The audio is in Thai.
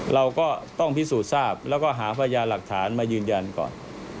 เราก็ต้องพิสูจน์ทราบแล้วก็หาพยาหลักฐานมายืนยันก่อน